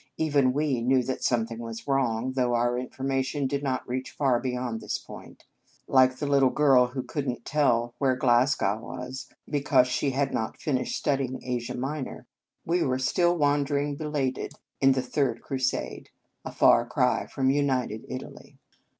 Even we knew that something was wrong, though our information did not reach far beyond this point. Like the little girl who could n t tell where Glasgow was, because she had not finished studying Asia Minor, we were still wandering belated in the third Cru no Un Conge sans Cloche sade, a far cry from united Italy.